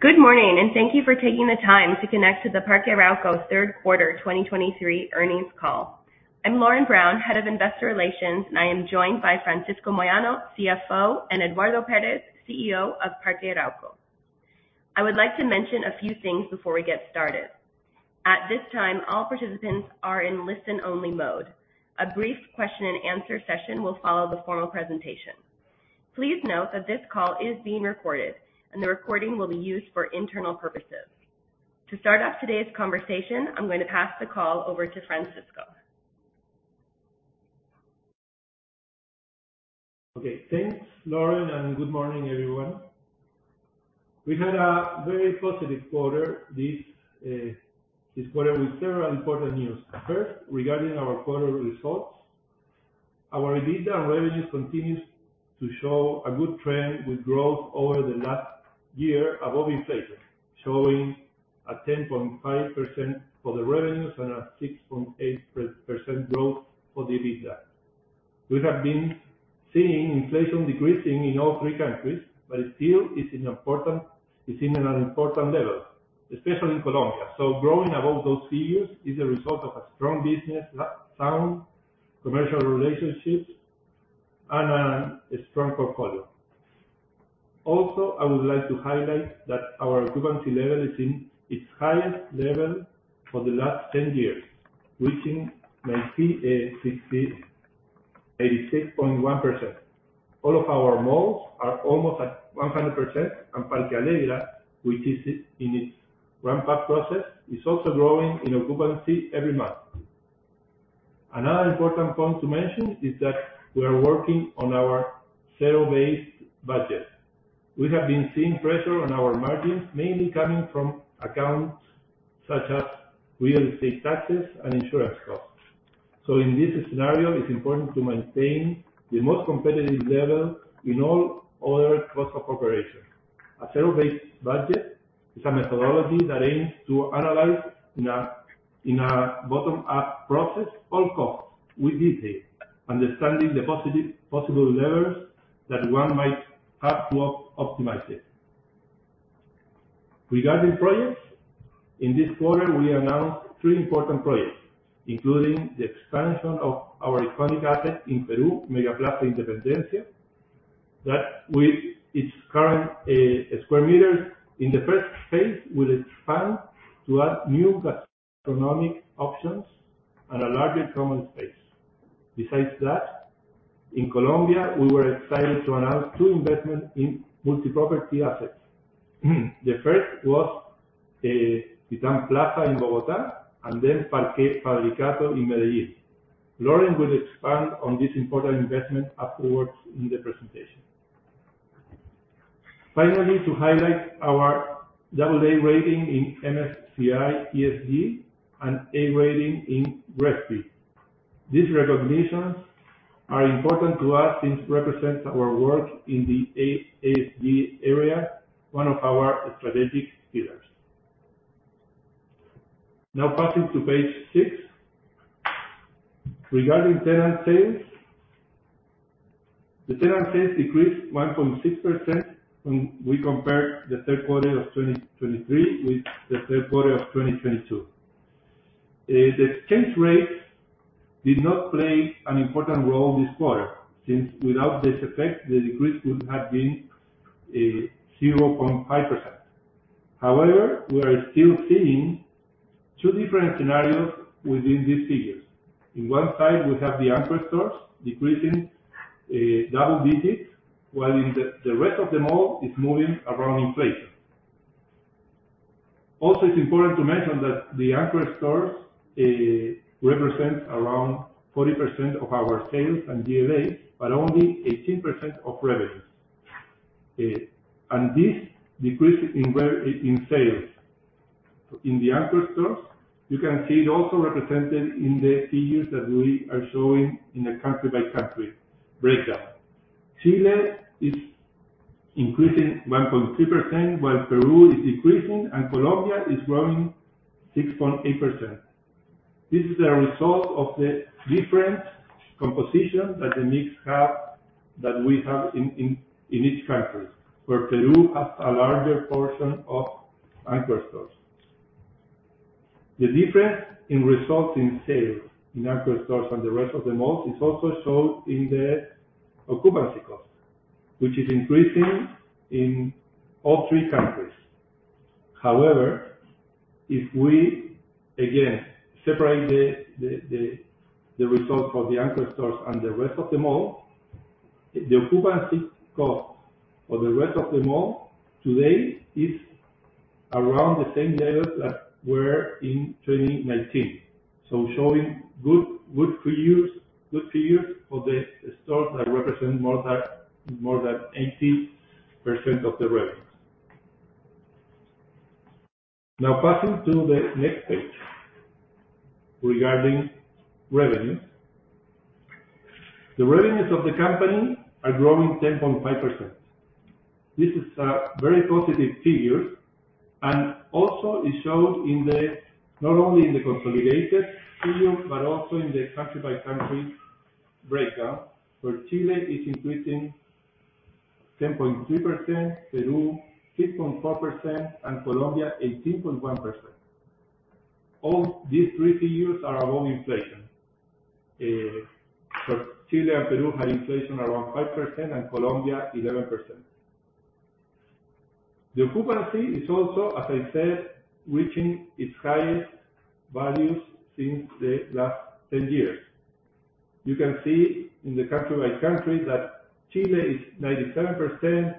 Good morning, and thank you for taking the time to connect to the Parque Arauco third quarter 2023 earnings call. I'm Lauren Brown, head of investor relations, and I am joined by Francisco Moyano, CFO, and Eduardo Pérez, CEO of Parque Arauco. I would like to mention a few things before we get started. At this time, all participants are in listen-only mode. A brief question and answer session will follow the formal presentation. Please note that this call is being recorded, and the recording will be used for internal purposes. To start off today's conversation, I'm going to pass the call over to Francisco. Okay. Thanks, Lauren, and good morning, everyone. We had a very positive quarter. This quarter with several important news. First, regarding our quarter results, our EBITDA and revenues continues to show a good trend with growth over the last year above inflation, showing a 10.5% for the revenues and a 6.8% growth for the EBITDA. We have been seeing inflation decreasing in all three countries, but still it's in an important level, especially in Colombia. Growing above those figures is a result of a strong business, sound commercial relationships, and a strong portfolio. Also, I would like to highlight that our occupancy level is in its highest level for the last ten years, reaching 98.1%. All of our malls are almost at 100%, and Parque Alegra, which is in its ramp-up process, is also growing in occupancy every month. Another important point to mention is that we are working on our zero-based budget. We have been seeing pressure on our margins, mainly coming from accounts such as real estate taxes and insurance costs. In this scenario, it's important to maintain the most competitive level in all other cost of operations. A zero-based budget is a methodology that aims to analyze in a bottom-up process all costs with detail, understanding the possible levers that one might have to optimize it. Regarding projects, in this quarter, we announced three important projects, including the expansion of our iconic asset in Peru, MegaPlaza Independencia, that with its current square meters in the first phase will expand to add new gastronomic options and a larger common space. Besides that, in Colombia, we were excited to announce two investments in multi-property assets. The first was Titán Plaza in Bogotá and then Parque Fabricato in Medellín. Lauren will expand on this important investment afterwards in the presentation. Finally, to highlight our AA rating in MSCI ESG and A rating in GRESB. These recognitions are important to us since represents our work in the ESG area, one of our strategic pillars. Now passing to page 6. Regarding tenant sales. The tenant sales decreased 1.6% when we compare the third quarter of 2023 with the third quarter of 2022. The exchange rate did not play an important role this quarter since without this effect, the decrease would have been 0.5%. However, we are still seeing two different scenarios within these figures. In one side, we have the anchor stores decreasing double digits, while in the rest of the mall is moving around inflation. Also, it's important to mention that the anchor stores represent around 40% of our sales and GLA, but only 18% of revenues. This decrease in sales in the anchor stores, you can see it also represented in the figures that we are showing in a country-by-country breakdown. Chile is increasing 1.3%, while Peru is decreasing and Colombia is growing 6.8%. This is a result of the different composition that we have in each country, where Peru has a larger portion of anchor stores. The difference in results in sales in anchor stores and the rest of the malls is also shown in the occupancy cost, which is increasing in all three countries. However, if we again separate the results of the anchor stores and the rest of the mall, the occupancy cost for the rest of the mall today is around the same levels that were in 2019. Showing good figures for the stores that represent more than 80% of the revenues. Now passing to the next page. Regarding revenues. The revenues of the company are growing 10.5%. This is a very positive figure, and also it shows not only in the consolidated figure but also in the country-by-country breakdown, where Chile is increasing 10.3%, Peru 6.4%, and Colombia 18.1%. All these three figures are above inflation. But Chile and Peru have inflation around 5%, and Colombia 11%. The occupancy is also, as I said, reaching its highest values since the last 10 years. You can see in the country by country that Chile is 97%,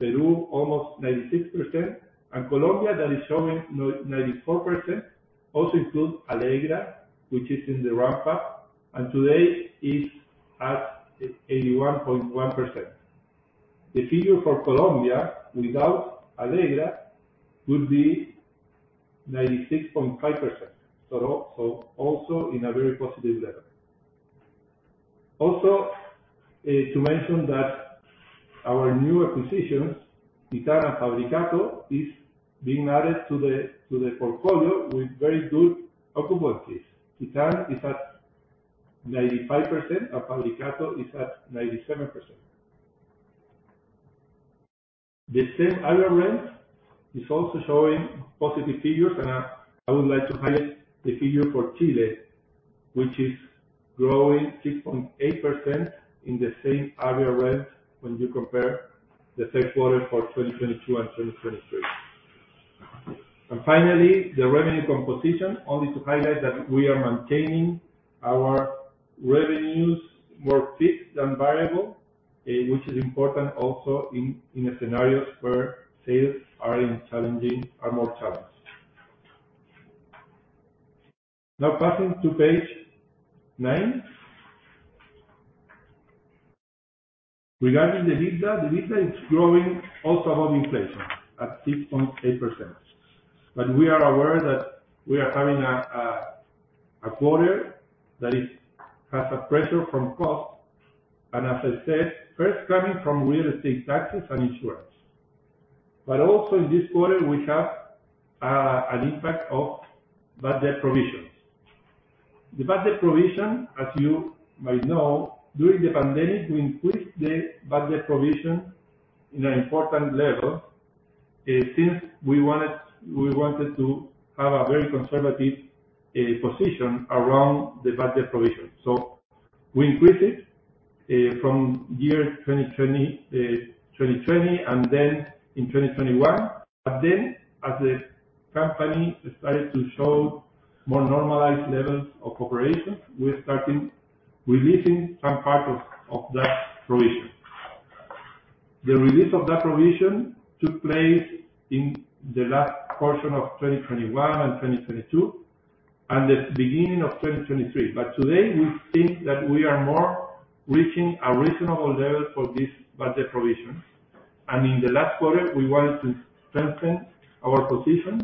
Peru almost 96%, and Colombia, that is showing 94%, also includes Alegra, which is in the ramp-up, and today is at 81.1%. The figure for Colombia without Alegra would be 96.5%. Also in a very positive level. To mention that our new acquisitions, Titán and Fabricato, is being added to the portfolio with very good occupancies. Titán is at 95% and Fabricato is at 97%. The same area rent is also showing positive figures, and I would like to highlight the figure for Chile, which is growing 6.8% in the same area rent when you compare the same quarter for 2022 and 2023. Finally, the revenue composition, only to highlight that we are maintaining our revenues more fixed than variable, which is important also in a scenario where sales are more challenged. Now passing to page 9. Regarding the EBITDA, the EBITDA is growing also above inflation at 6.8%. We are aware that we are having a quarter that has a pressure from costs, and as I said, first coming from real estate taxes and insurance. Also in this quarter, we have an impact of budget provisions. The budget provision, as you might know, during the pandemic, we increased the budget provision in an important level, since we wanted to have a very conservative position around the budget provision. We increased it from year 2020, and then in 2021. As the company started to show more normalized levels of operations, we're starting releasing some part of that provision. The release of that provision took place in the last portion of 2021 and 2022, and the beginning of 2023. Today, we think that we are more reaching a reasonable level for this bad debt provisions. In the last quarter, we wanted to strengthen our position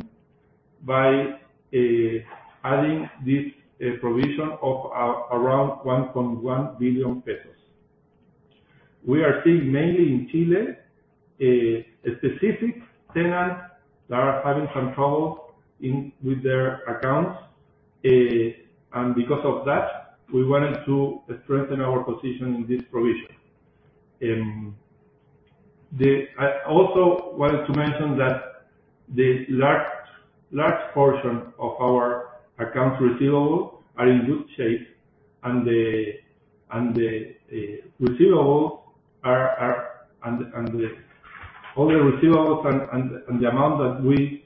by adding this provision of around 1.1 billion pesos. We are seeing mainly in Chile specific tenants that are having some trouble with their accounts. Because of that, we wanted to strengthen our position in this provision. I also wanted to mention that the large portion of our accounts receivable are in good shape and the receivables are all the receivables and the amount that we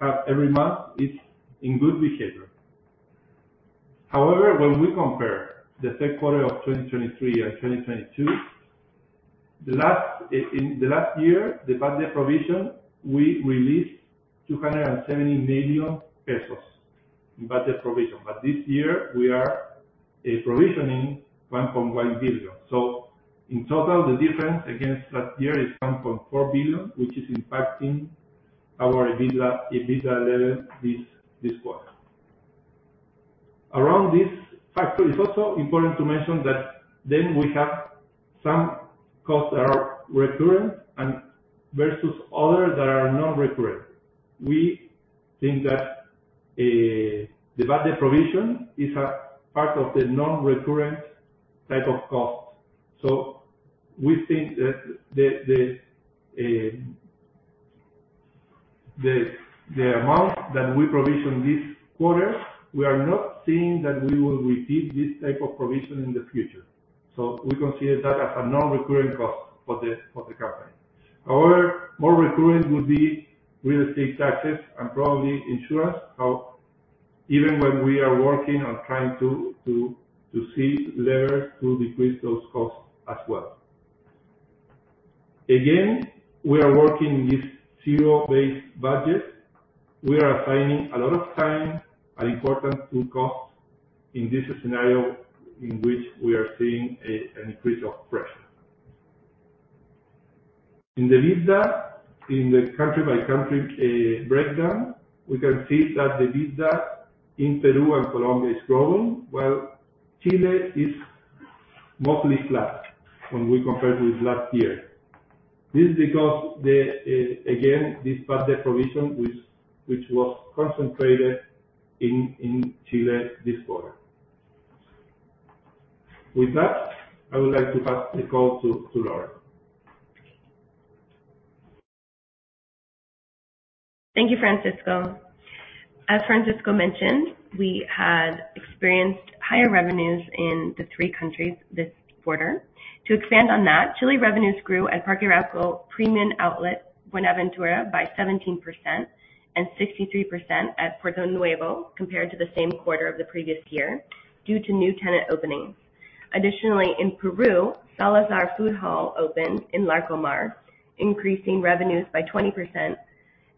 have every month is in good behavior. However, when we compare the second quarter of 2023 and 2022, in the last year, the budget provision, we released 270 million pesos in budget provision. This year we are provisioning 1.1 billion. In total, the difference against last year is 1.4 billion, which is impacting our EBITDA level this quarter. Around this factor, it is also important to mention that we have some costs that are recurrent and versus others that are non-recurrent. We think that the budget provision is a part of the non-recurrent type of costs. We think that the amount that we provision this quarter, we are not seeing that we will repeat this type of provision in the future. We consider that as a non-recurrent cost for the company. However, more recurrent would be real estate taxes and probably insurance. However, even when we are working on trying to see levels to decrease those costs as well. Again, we are working with zero-based budget. We are assigning a lot of time and importance to costs in this scenario in which we are seeing an increase of pressure. In the EBITDA, in the country by country breakdown, we can see that the EBITDA in Peru and Colombia is growing, while Chile is mostly flat when we compare with last year. This is because, again, this bad debt provision, which was concentrated in Chile this quarter. With that, I would like to pass the call to Lauren. Thank you, Francisco. As Francisco mentioned, we had experienced higher revenues in the three countries this quarter. To expand on that, Chile revenues grew at Parque Arauco Premium Outlet Buenaventura by 17% and 63% at Portal Nuevo compared to the same quarter of the previous year due to new tenant openings. Additionally, in Peru, Salazar Food Hall opened in Larcomar, increasing revenues by 20%,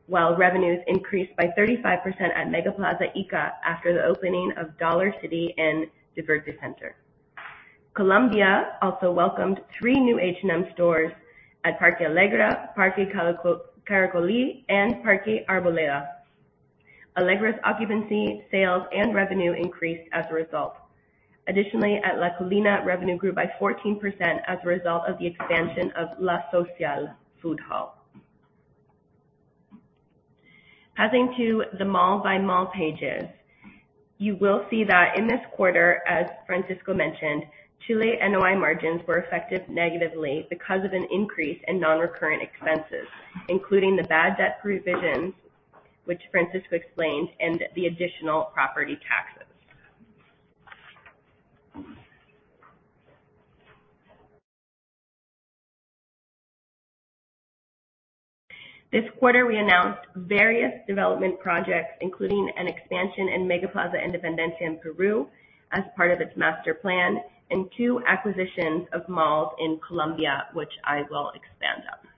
while revenues increased by 35% at MegaPlaza Ica after the opening of Dollarcity and Divertido. Colombia also welcomed three new H&M stores at Parque Alegra, Parque Caracolí, and Parque Arboleda. Alegra's occupancy, sales, and revenue increased as a result. Additionally, at La Colina, revenue grew by 14% as a result of the expansion of La Social Food Hall. Passing to the mall-by-mall pages. You will see that in this quarter, as Francisco mentioned, Chile NOI margins were affected negatively because of an increase in non-recurrent expenses, including the bad debt provisions, which Francisco explained, and the additional property taxes. This quarter, we announced various development projects, including an expansion in MegaPlaza Independencia in Peru as part of its master plan and two acquisitions of malls in Colombia, which I will expand on.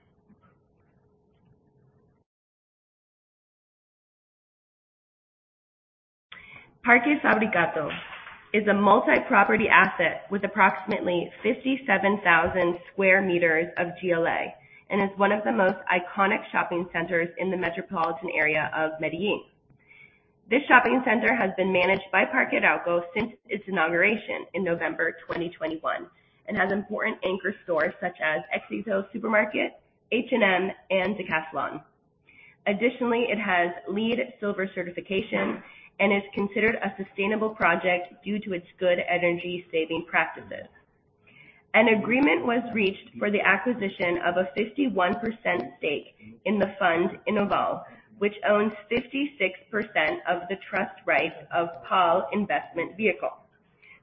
Parque Fabricato is a multi-property asset with approximately 57,000 square meters of GLA and is one of the most iconic shopping centers in the metropolitan area of Medellín. This shopping center has been managed by Parque Arauco since its inauguration in November 2021 and has important anchor stores such as Éxito Supermarket, H&M, and Decathlon. Additionally, it has LEED Silver certification and is considered a sustainable project due to its good energy-saving practices. An agreement was reached for the acquisition of a 51% stake in the fund, Inmoval, which owns 56% of the trust REITs of PAL investment vehicle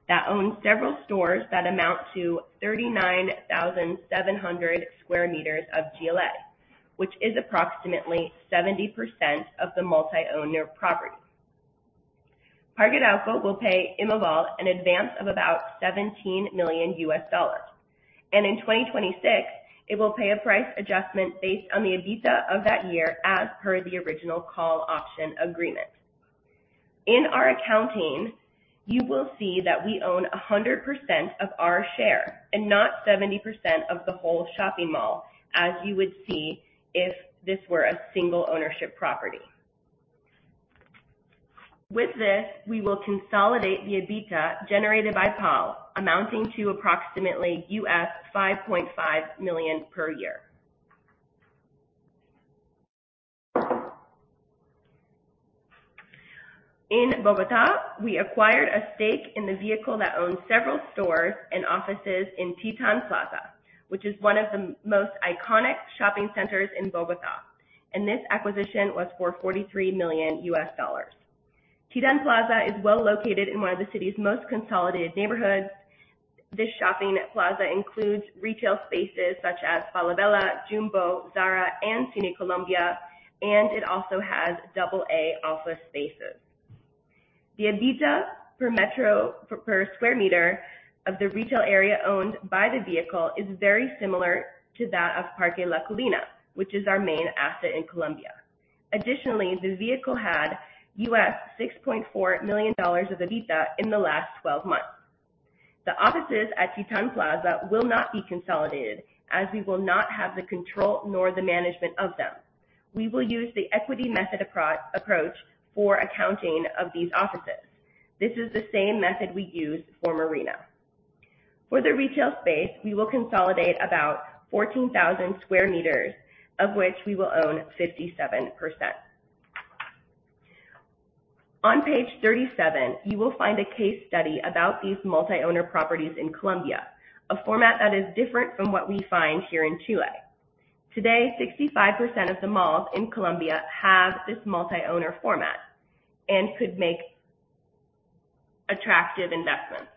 that owns several stores that amount to 39,700 square meters of GLA, which is approximately 70% of the multi-owner property. Parque Arauco will pay Inmoval an advance of about $17 million, and in 2026, it will pay a price adjustment based on the EBITDA of that year as per the original call option agreement. In our accounting, you will see that we own 100% of our share and not 70% of the whole shopping mall, as you would see if this were a single ownership property. With this, we will consolidate the EBITDA generated by PAL, amounting to approximately $5.5 million per year. In Bogotá, we acquired a stake in the vehicle that owns several stores and offices in Titán Plaza, which is one of the most iconic shopping centers in Bogotá, and this acquisition was for $43 million. Titán Plaza is well-located in one of the city's most consolidated neighborhoods. This shopping plaza includes retail spaces such as Falabella, Jumbo, Zara, and Cine Colombia, and it also has AA office spaces. The EBITDA per square meter of the retail area owned by the vehicle is very similar to that of Parque La Colina, which is our main asset in Colombia. Additionally, the vehicle had $6.4 million of EBITDA in the last 12 months. The offices at Titán Plaza will not be consolidated as we will not have the control nor the management of them. We will use the equity method approach for accounting of these offices. This is the same method we used for Marina. For the retail space, we will consolidate about 14,000 sq m, of which we will own 57%. On page 37, you will find a case study about these multi-owner properties in Colombia, a format that is different from what we find here in Chile. Today, 65% of the malls in Colombia have this multi-owner format and could make attractive investments.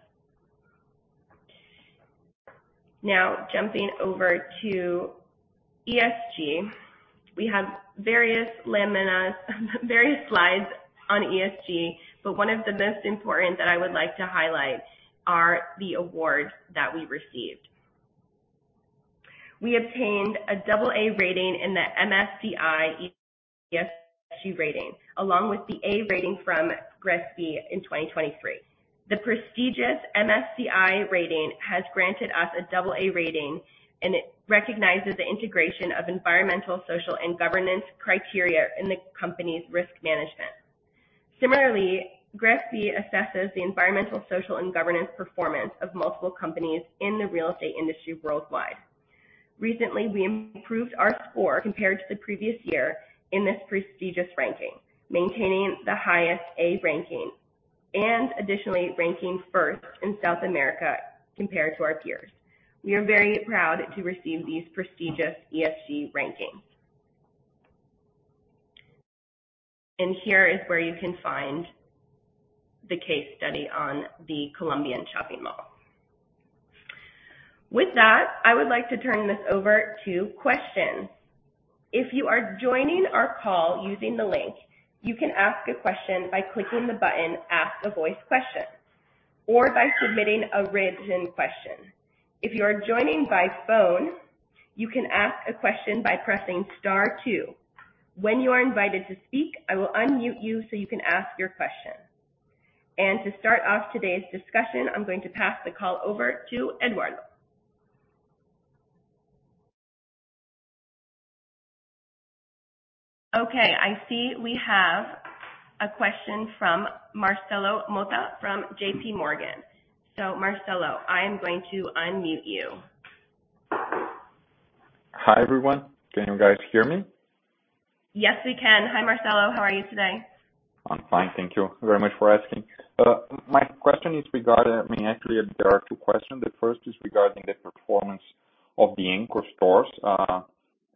Now jumping over to ESG. We have various slides on ESG, but one of the most important that I would like to highlight are the awards that we received. We obtained a AA rating in the MSCI ESG rating, along with the A rating from GRESB in 2023. The prestigious MSCI rating has granted us a AA rating, and it recognizes the integration of environmental, social, and governance criteria in the company's risk management. Similarly, GRESB assesses the environmental, social, and governance performance of multiple companies in the real estate industry worldwide. Recently, we improved our score compared to the previous year in this prestigious ranking, maintaining the highest A ranking and additionally ranking first in South America compared to our peers. We are very proud to receive these prestigious ESG rankings. Here is where you can find the case study on the Colombian shopping mall. With that, I would like to turn this over to questions. If you are joining our call using the link, you can ask a question by clicking the button, Ask a voice question or by submitting a written question. If you are joining by phone, you can ask a question by pressing star two. When you are invited to speak, I will unmute you so you can ask your question. To start off today's discussion, I'm going to pass the call over to Eduardo. Okay, I see we have a question from Marcelo Mota from J.P. Morgan. So Marcelo, I am going to unmute you. Hi, everyone. Can you guys hear me? Yes, we can. Hi, Marcelo. How are you today? I'm fine, thank you very much for asking. My question is regarding—I mean, actually, there are two questions. The first is regarding the performance of the anchor stores.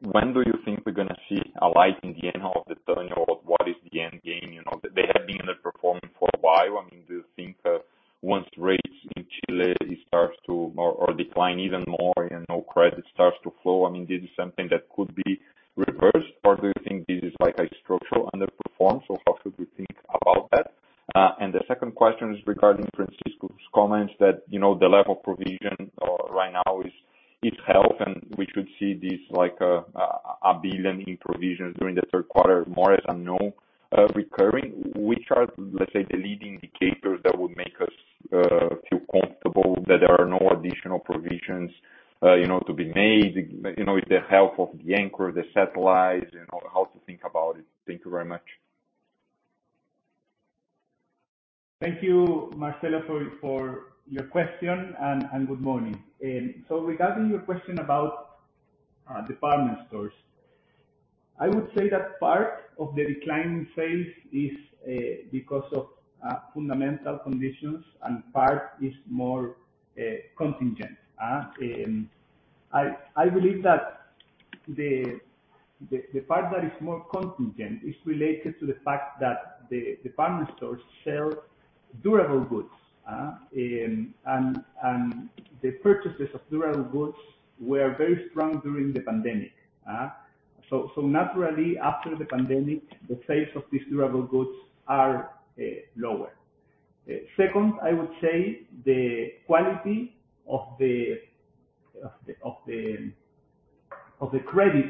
When do you think we're gonna see a light in the end of the tunnel? What is the end game? You know, they have been underperforming for a while. I mean, do you think, once rates in Chile starts to more or decline even more, you know, credit starts to flow, I mean, this is something that could be reversed? Or do you think this is like a structural underperformance or how should we think about that? The second question is regarding Francisco's comments that, you know, the level of provision right now is healthy, and we should see this like 1 billion in provisions during the third quarter more as you know, recurring. Which are, let's say, the leading indicators that would make us feel comfortable that there are no additional provisions, you know, to be made, you know, with the help of the anchor, the satellites and how to think about it. Thank you very much. Thank you, Marcelo, for your question and good morning. Regarding your question about department stores, I would say that part of the decline in sales is because of fundamental conditions and part is more contingent. I believe that the part that is more contingent is related to the fact that the department stores sell durable goods and the purchases of durable goods were very strong during the pandemic. Naturally after the pandemic, the sales of these durable goods are lower. Second, I would say the quality of the credit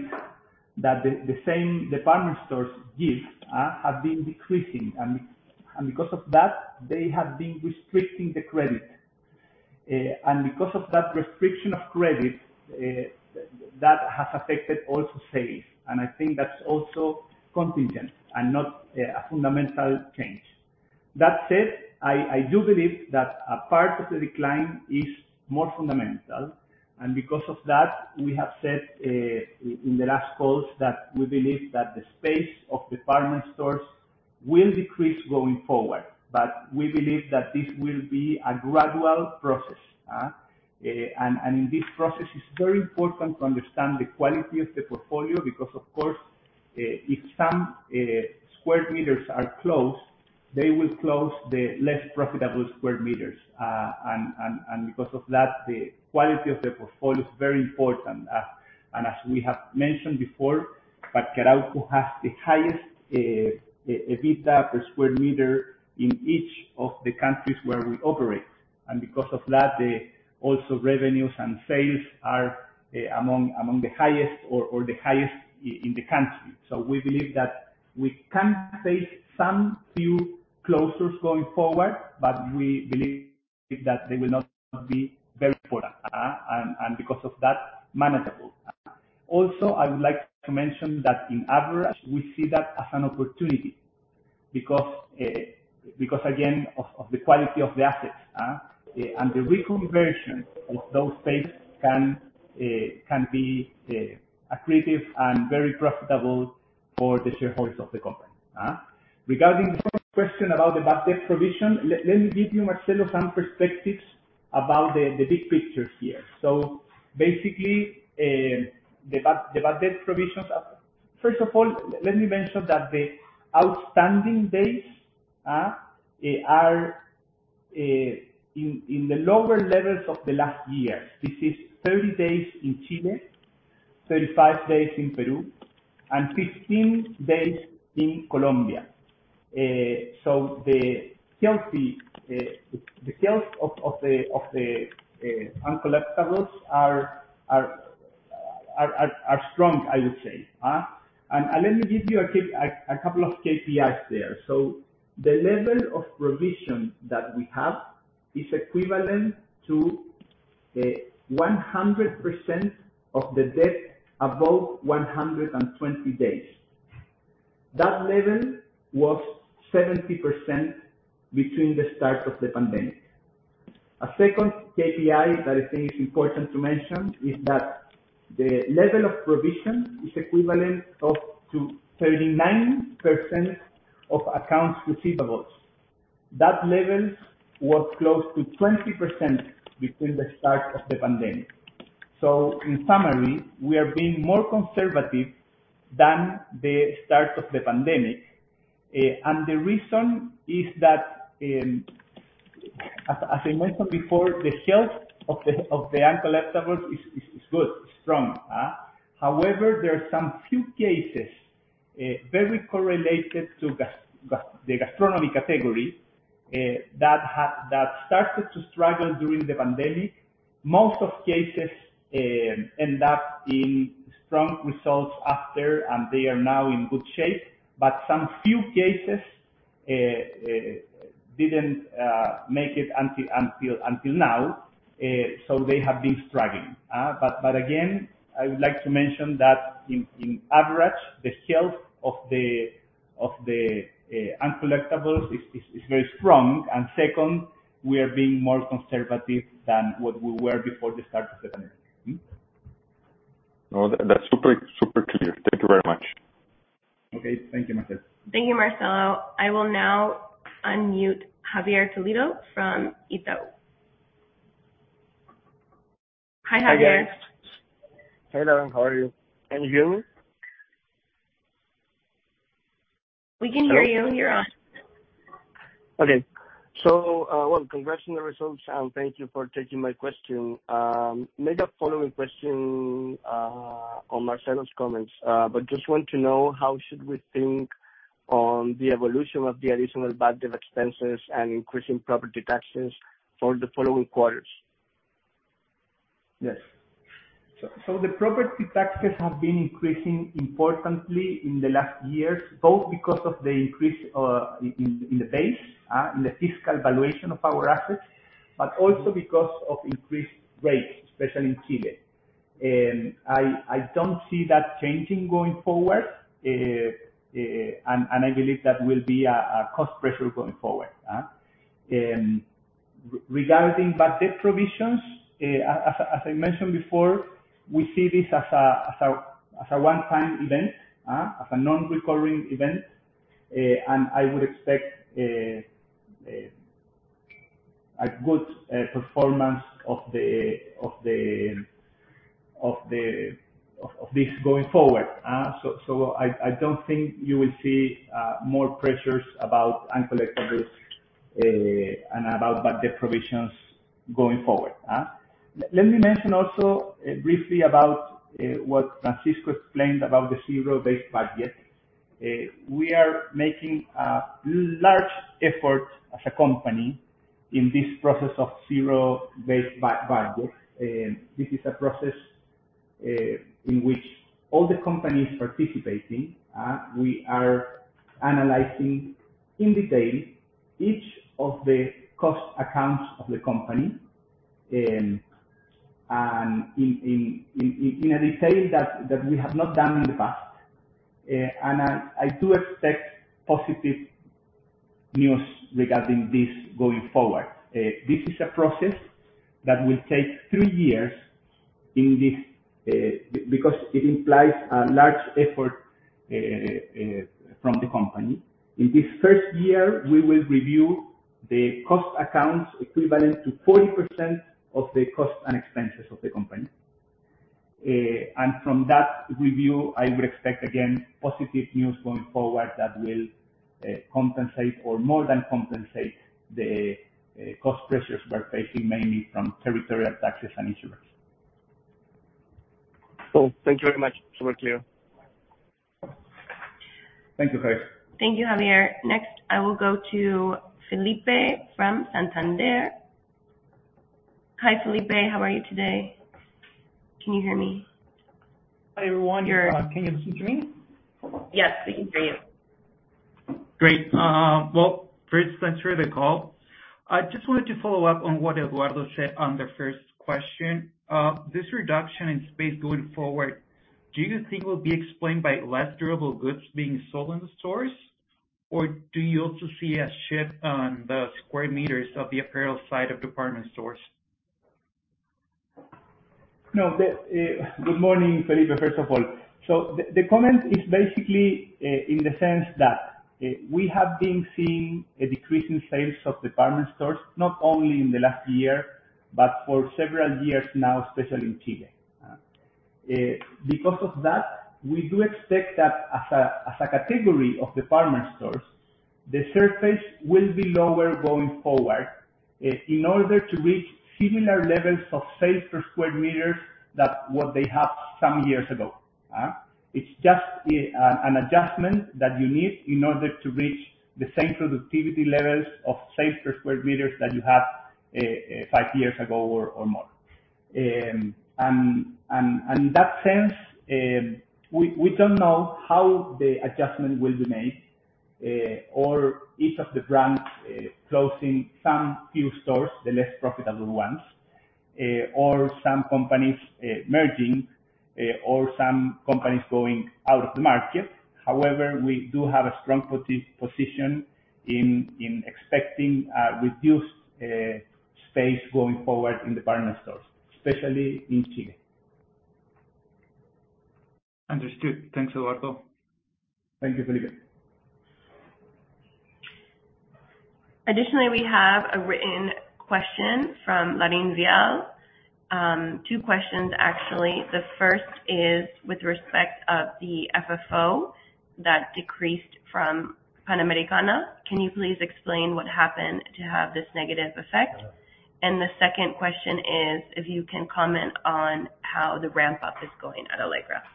that the same department stores give have been decreasing. Because of that, they have been restricting the credit. Because of that restriction of credit, that has affected also sales. I think that's also contingent and not a fundamental change. That said, I do believe that a part of the decline is more fundamental. Because of that, we have said in the last calls that we believe that the space of department stores will decrease going forward. We believe that this will be a gradual process. In this process, it's very important to understand the quality of the portfolio because of course, if some square meters are closed, they will close the less profitable square meters. Because of that, the quality of the portfolio is very important. As we have mentioned before, that Caracol has the highest EBITDA per square meter in each of the countries where we operate. Because of that, their revenues and sales also are among the highest or the highest in the country. We believe that we can face some few closures going forward, but we believe that they will not be very material. Because of that, manageable. Also, I would like to mention that on average, we see that as an opportunity because again of the quality of the assets. The reconversion of those spaces can be accretive and very profitable for the shareholders of the company. Regarding the first question about the bad debt provision, let me give you, Marcelo, some perspectives about the big picture here. Basically, the bad debt provisions are. First of all, let me mention that the outstanding days are in the lower levels of the last year. This is 30 days in Chile, 35 days in Peru, and 15 days in Colombia. The health of the uncollectibles are strong, I would say. Let me give you a couple of KPIs there. The level of provision that we have is equivalent to 100% of the debt above 120 days. That level was 70% between the start of the pandemic. A second KPI that I think is important to mention is that the level of provision is equivalent to 39% of accounts receivables. That level was close to 20% between the start of the pandemic. In summary, we are being more conservative than the start of the pandemic. The reason is that, as I mentioned before, the health of the uncollectibles is good, strong. However, there are some few cases very correlated to the gastronomy category that started to struggle during the pandemic. Most of cases end up in strong results after, and they are now in good shape, but some few cases didn't make it until now, so they have been struggling. Again, I would like to mention that in average, the health of the uncollectibles is very strong. Second, we are being more conservative than what we were before the start of the pandemic. No, that's super clear. Thank you very much. Okay. Thank you, Marcelo. Thank you, Marcelo. I will now unmute Javier Toledo from Itaú BBA. Hi, Javier. Hi, guys. Hey, Lauren. How are you? Can you hear me? We can hear you. You're on. Congrats on the results, and thank you for taking my question. Maybe a following question on Marcelo's comments, but just want to know how should we think on the evolution of the additional bad debt expenses and increasing property taxes for the following quarters? Yes. The property taxes have been increasing importantly in the last years, both because of the increase in the base in the fiscal valuation of our assets, but also because of increased rates, especially in Chile. I don't see that changing going forward, and I believe that will be a cost pressure going forward. Regarding bad debt provisions, as I mentioned before, we see this as a one-time event, as a non-recurring event. And I would expect a good performance of this going forward. I don't think you will see more pressures about uncollectibles, and about bad debt provisions going forward. Let me mention also briefly about what Francisco explained about the zero-based budget. We are making a large effort as a company in this process of zero-based budget. This is a process in which all the company is participating. We are analyzing in detail each of the cost accounts of the company, and in a detail that we have not done in the past. I do expect positive news regarding this going forward. This is a process that will take three years in this because it implies a large effort from the company. In this first year, we will review the cost accounts equivalent to 40% of the costs and expenses of the company. From that review, I would expect, again, positive news going forward that will compensate or more than compensate the cost pressures we're facing, mainly from territorial taxes and insurance. Cool. Thank you very much. Super clear. Thank you, Javier. Thank you, Javier. Next, I will go to Felipe from Santander. Hi, Felipe. How are you today? Can you hear me? Hi, everyone. Can you hear me? Yes, we can hear you. Great. Well, first, thanks for the call. I just wanted to follow up on what Eduardo said on the first question. This reduction in space going forward, do you think will be explained by less durable goods being sold in the stores, or do you also see a shift on the square meters of the apparel side of department stores? No. Good morning, Felipe, first of all. The comment is basically in the sense that we have been seeing a decrease in sales of department stores, not only in the last year, but for several years now, especially in Chile. Because of that, we do expect that as a category of department stores, the surface will be lower going forward in order to reach similar levels of sales per square meters that what they had some years ago. It's just an adjustment that you need in order to reach the same productivity levels of sales per square meters that you had five years ago or more. In that sense, we don't know how the adjustment will be made or each of the brands closing some few stores, the less profitable ones, or some companies merging, or some companies going out of the market. However, we do have a strong position in expecting a reduced space going forward in department stores, especially in Chile. Understood. Thanks, Eduardo. Thank you, Felipe. Additionally, we have a written question from Lauren Zion. Two questions, actually. The first is with respect of the FFO that decreased from Panamericana. Can you please explain what happened to have this negative effect? The second question is if you can comment on how the ramp-up is going at Alegra.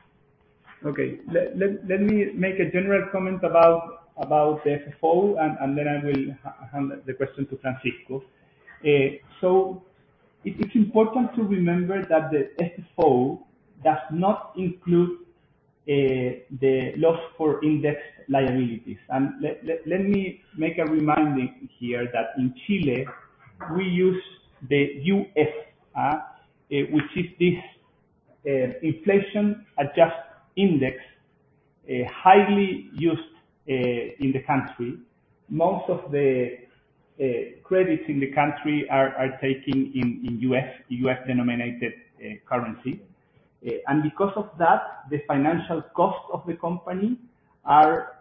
Let me make a general comment about the FFO, and then I will hand the question to Francisco. It is important to remember that the FFO does not include the loss for index liabilities. Let me make a reminder here that in Chile we use the UF, which is this inflation-adjusted index, highly used in the country. Most of the credits in the country are taken in U.S.-denominated currency. Because of that, the financial costs of the company are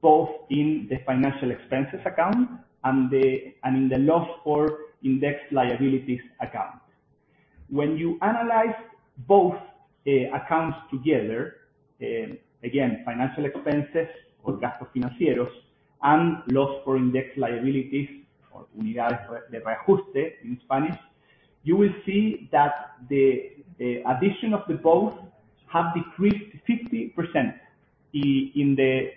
both in the financial expenses account and in the loss for index liabilities account. When you analyze both accounts together, again, financial expenses or gastos financieros and loss for index liabilities or Unidades de Reajuste in Spanish, you will see that the addition of both have decreased 50% in the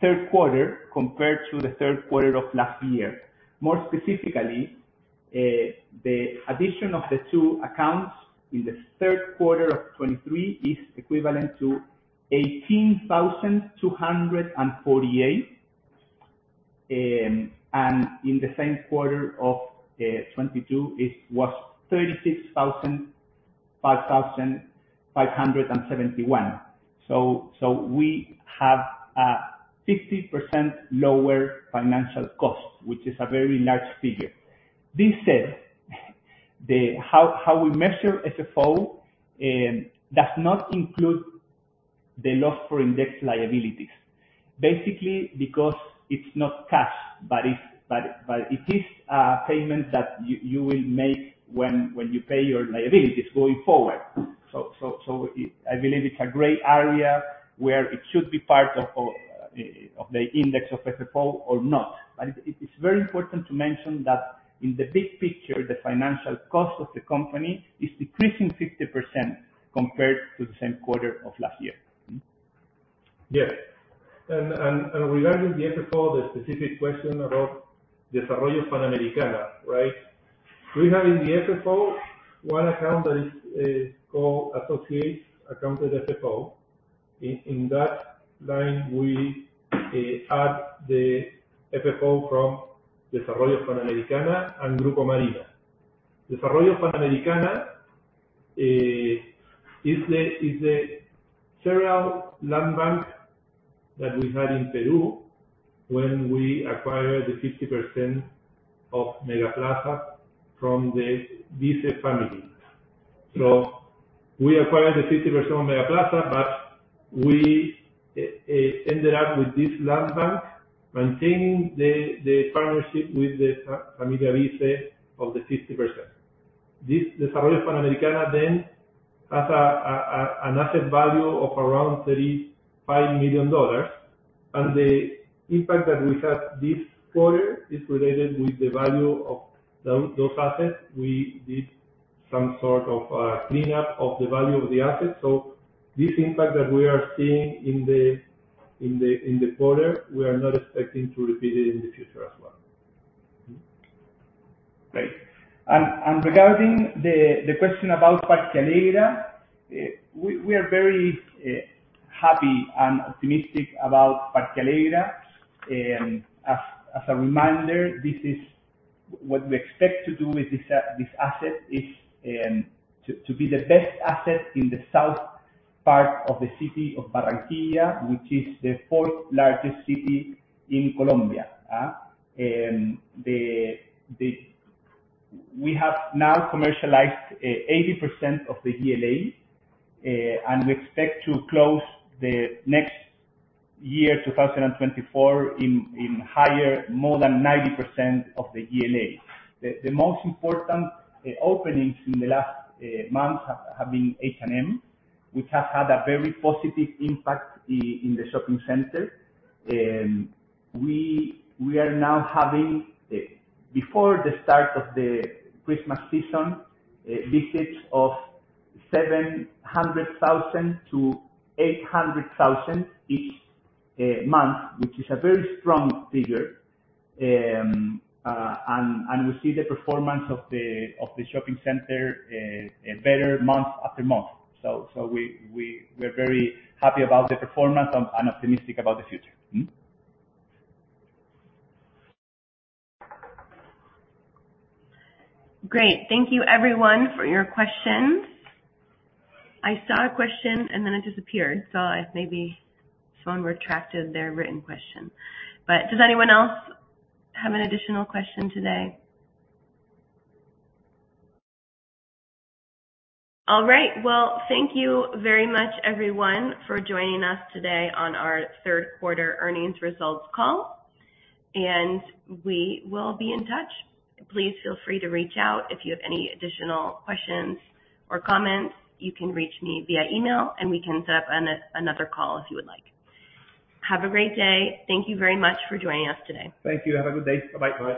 third quarter compared to the third quarter of last year. More specifically, the addition of the two accounts in the third quarter of 2023 is equivalent to 18,248. In the same quarter of 2022, it was 36,571. We have a 50% lower financial cost, which is a very large figure. That said, the How we measure FFO does not include the loss for index liabilities, basically because it's not cash, but it is a payment that you will make when you pay your liabilities going forward. I believe it's a gray area where it should be part of of the index of FFO or not. It's very important to mention that in the big picture, the financial cost of the company is decreasing 50% compared to the same quarter of last year. Yes. Regarding the FFO, the specific question about Desarrollo Panamericana, right? We have in the FFO one account that is called associate account with FFO. In that line, we add the FFO from Desarrollo Panamericana and Grupo Marina. Desarrollo Panamericana is the several land banks that we had in Peru when we acquired the 50% of MegaPlaza from the Wiese family. We acquired the 50% of MegaPlaza, but we ended up with this land bank, maintaining the partnership with the Familia Wiese of the 50%. This Desarrollo Panamericana then has an asset value of around $35 million. The impact that we had this quarter is related with the value of those assets. We did some sort of a cleanup of the value of the assets. This impact that we are seeing in the quarter, we are not expecting to repeat it in the future as well. Great. Regarding the question about Parque Alegra, we are very happy and optimistic about Parque Alegra. As a reminder, what we expect to do with this asset is to be the best asset in the south part of the city of Barranquilla, which is the fourth largest city in Colombia. We have now commercialized 80% of the GLA, and we expect to close next year, 2024, in higher, more than 90% of the GLA. The most important openings in the last months have been H&M, which has had a very positive impact in the shopping center. We are now having, before the start of the Christmas season, visits of 700,000 to 800,000 each month, which is a very strong figure. We see the performance of the shopping center better month after month. We're very happy about the performance and optimistic about the future. Great. Thank you everyone for your questions. I saw a question and then it disappeared. If maybe someone retracted their written question. Does anyone else have an additional question today? All right. Well, thank you very much, everyone, for joining us today on our third quarter earnings results call, and we will be in touch. Please feel free to reach out if you have any additional questions or comments. You can reach me via email, and we can set up another call if you would like. Have a great day. Thank you very much for joining us today. Thank you. Have a good day. Bye-bye.